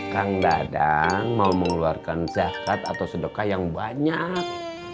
kang dadang mau mengeluarkan zakat atau sedekah yang banyak